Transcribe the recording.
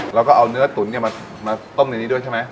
แล้วก็เอาเนื้อตุ๋นมาต้มในนี้ด้วยใช่ไหม